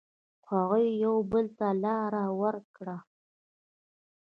هغوی یو بل ته لاره ورکړه.